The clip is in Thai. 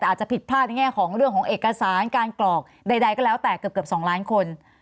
แต่อาจจะผิดพลาดในแง่ของเรื่องของเอกสารการกรอกใดก็แล้วแต่เกือบ๒ล้านคน